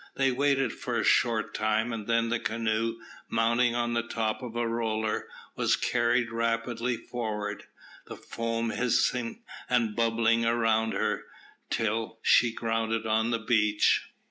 They waited for a short time, and then the canoe, mounting on the top of a roller, was carried rapidly forward, the foam hissing and bubbling round her, till she grounded on the beach.